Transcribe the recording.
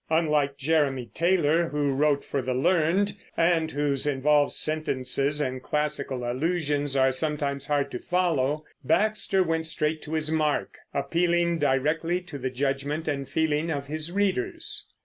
Unlike Jeremy Taylor, who wrote for the learned, and whose involved sentences and classical allusions are sometimes hard to follow, Baxter went straight to his mark, appealing directly to the judgment and feeling of his readers.